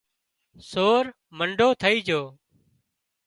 سور منڍو ٿئي جھو